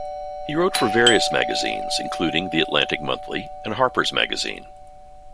He wrote for various magazines, including "The Atlantic Monthly" and "Harper's Magazine".